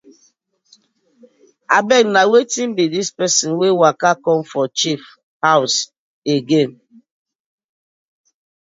Na who bi dis pesin wey waka com for chief haws again.